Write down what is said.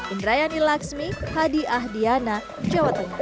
indrayani laksmi hadi ahdiana jawa tengah